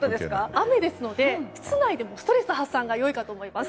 雨ですので室内でのストレス発散がいいと思います。